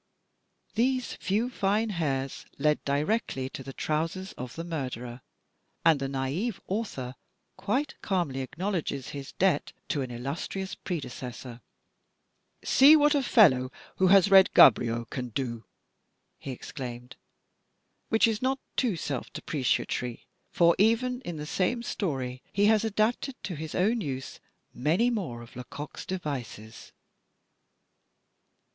These few fine hairs lead directly to the trousers of the mur derer and the naive author quite calmly acknowledges his debt to an illustrious predecessor: "See what a fellow who has read Gaboriau can do!" he exclaimed, which is not too self depreciatory, for even in the same story he has adapted to his own use many more of Lecoq's devices.